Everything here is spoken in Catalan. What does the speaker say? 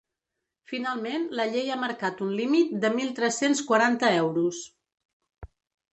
Finalment la llei ha marcat un límit de mil tres-cents quaranta euros.